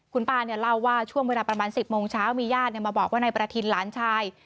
คุณป้าเนี่ยเล่าว่าช่วงเวลาประมาณ๑๐โมงเช้ามีญาติมาบอกว่านายประทินหลานชาย